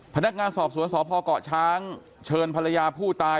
พนักงานสอบสวนสพเกาะช้างเชิญภรรยาผู้ตาย